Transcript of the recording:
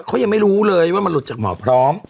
เขายังไม่รู้เลยว่ามันหลุดจากหมอพร้อม